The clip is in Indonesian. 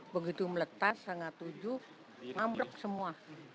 begitu meletas setengah tujuh ngamrek semua